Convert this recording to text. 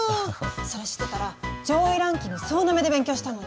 それ知ってたら上位ランキング総なめで勉強したのに。